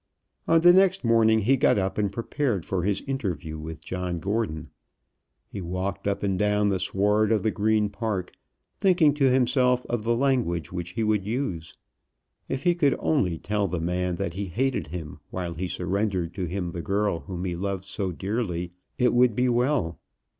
On the next morning he got up and prepared for his interview with John Gordon. He walked up and down the sward of the Green Park, thinking to himself of the language which he would use. If he could only tell the man that he hated him while he surrendered to him the girl whom he loved so dearly, it would be well.